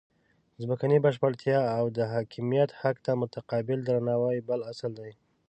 ځمکنۍ بشپړتیا او د حاکمیت حق ته متقابل درناوی بل اصل دی.